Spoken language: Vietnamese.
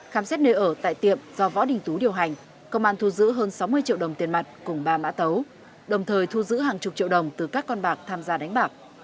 khám xét nơi ở tại tiệm do võ đình tú điều hành công an thu giữ hơn sáu mươi triệu đồng tiền mặt cùng ba mã tấu đồng thời thu giữ hàng chục triệu đồng từ các con bạc tham gia đánh bạc